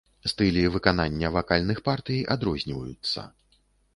Стылі выканання вакальных партый адрозніваюцца.